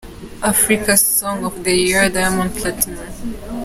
Africa Song of the Year Diamond Platnumz Ft.